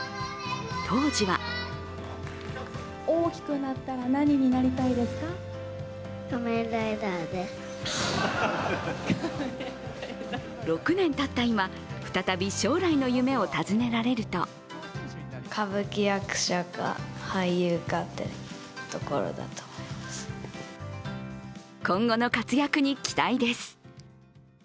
当時は６年たった今再び将来の夢を尋ねられると今後の活躍に期待です。